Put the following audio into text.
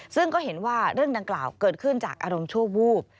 ซึ่งก็เห็นว่าเรื่องดังกล่าวเกิดขึ้นจากอารมณ์ชั่ววูบ